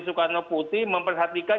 sukarno putih memperhatikan